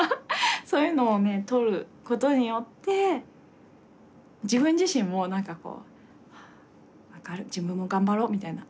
そういうのをね撮ることによって自分自身も何かこう分かる自分も頑張ろうみたいな。